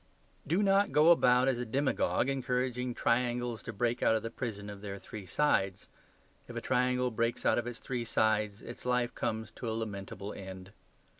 Do not go about as a demagogue, encouraging triangles to break out of the prison of their three sides. If a triangle breaks out of its three sides, its life comes to a lamentable end.